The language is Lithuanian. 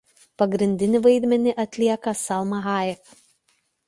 Pagrindinį vaidmenį atlieka Salma Hayek.